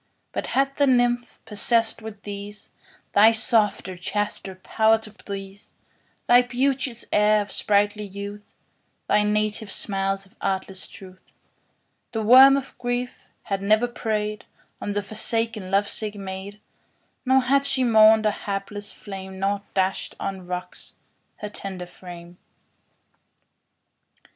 2 But had the nymph possess'd with these Thy softer, chaster power to please, Thy beauteous air of sprightly youth, Thy native smiles of artless truth 3 The worm of grief had never prey'd On the forsaken love sick maid; Nor had she mourn'd a hapless flame, Nor dash'd on rocks her tender frame.